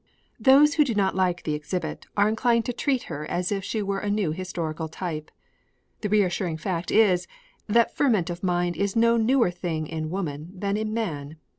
Those who do not like the exhibit are inclined to treat her as if she were a new historical type. The reassuring fact is, that ferment of mind is no newer thing in woman than in man.